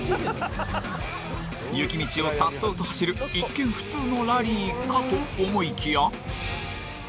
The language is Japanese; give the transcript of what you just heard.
雪道をさっそうと走る一見、普通のラリーかと思いきや。